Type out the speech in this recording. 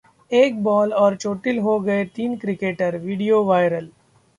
एक बॉल और चोटिल हो गए तीन क्रिकेटर, वीडियो वायरल